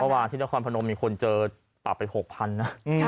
ระหว่างที่นครพนมมีคนเจอต่อไป๖๐๐๐นะ